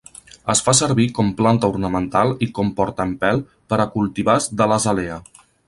Es fa servir com planta ornamental i com portaempelt per a cultivars de l'azalea.